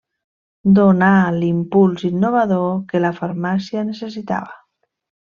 Donà l'impuls innovador que la farmàcia necessitava.